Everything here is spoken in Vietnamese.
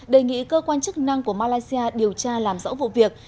đề nghị cơ quan chức năng của malaysia điều tra làm rõ vụ việc